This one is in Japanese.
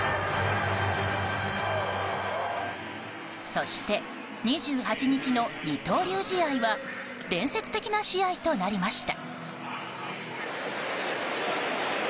そして２８日の二刀流試合は伝説的な試合となりました。